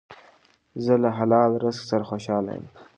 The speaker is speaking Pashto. زه له حلال رزق سره خوشحاله یم.